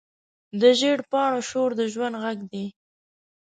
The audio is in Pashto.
د زېړ پاڼو شور د ژوند غږ دی